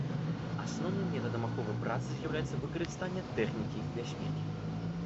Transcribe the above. Асноўным метадам аховы працы з'яўляецца выкарыстанне тэхнікі бяспекі.